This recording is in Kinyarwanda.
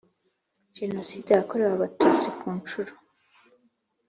Jenoside yakorewe abatutsi kunshuro